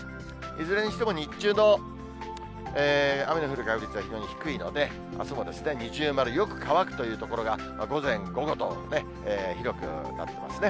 いずれにしても日中の雨の降る確率は非常に低いので、あすもですね、二重丸、よく乾くという所が午前、午後と広くなっていますね。